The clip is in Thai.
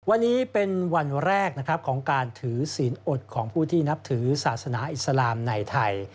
วันนี้เป็นวันแรกนะครับของการถือศีลอดของผู้ที่นับถือศาสนาอิสลามในไทย